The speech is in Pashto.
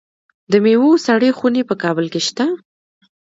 د میوو سړې خونې په کابل کې شته.